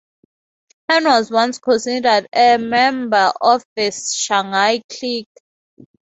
Han was once considered a member of the Shanghai clique.